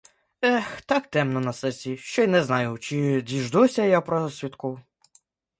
Ех, так темно на серці, що й не знаю, чи діждуся я просвітку.